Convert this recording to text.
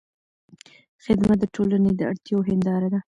خدمت د ټولنې د اړتیاوو هنداره ده.